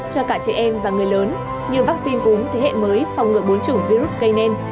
cho cả trẻ em và người lớn như vaccine cúm thế hệ mới phòng ngựa bốn chủng virus gây nên